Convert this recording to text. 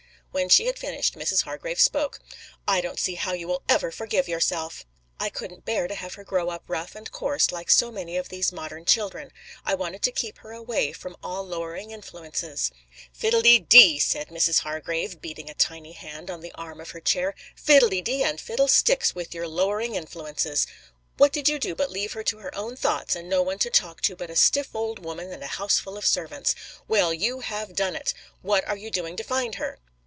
When she had finished, Mrs. Hargrave spoke. "I don't see how you will ever forgive yourself." "I couldn't bear to have her grow up rough and coarse like so many of these modern children. I wanted to keep her away from all lowering influences." "Fiddle dee dee!" said Mrs. Hargrave, beating a tiny hand on the arm of her chair. "Fiddle dee dee and fiddle_sticks_ with your 'lowering influences'! What did you do but leave her to her own thoughts and no one to talk to but a stiff old woman and a houseful of servants? Well, you have done it! What are you doing to find her?"